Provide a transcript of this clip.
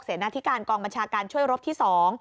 นาธิการกองบัญชาการช่วยรบที่สอง